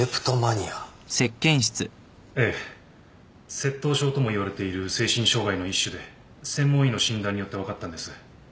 窃盗症ともいわれている精神障害の一種で専門医の診断によって分かったんです。